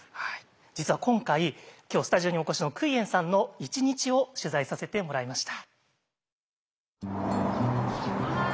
実は今回今日スタジオにお越しのクイエンさんの一日を取材させてもらいました。